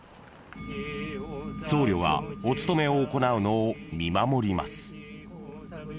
［僧侶がお勤めを行うのを見守ります］